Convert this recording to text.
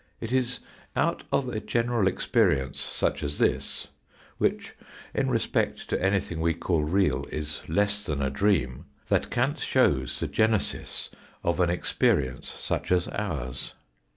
It is out of a general experience such as this, which, in respect to anything we call real, is less than a dream, that Kant shows the genesis of an experience such as ours.